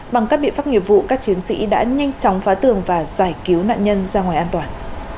bằng các biện pháp nghiệp vụ các chiến sĩ đã nhanh chóng phá tường và giải cứu nạn nhân ra ngoài an toàn